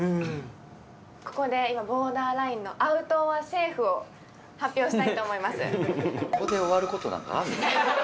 ここで今ボーダーラインのアウトｏｒセーフを発表したいと思います